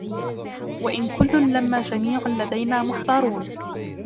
وَإِنْ كُلٌّ لَمَّا جَمِيعٌ لَدَيْنَا مُحْضَرُونَ